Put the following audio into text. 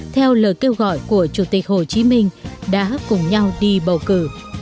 theo lời kêu gọi của chủ tịch hồ chí minh đã cùng nhau đi bầu cử